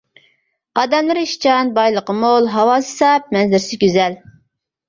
ئادەملىرى ئىشچان، بايلىقى مول، ھاۋاسى ساپ، مەنزىرىسى گۈزەل.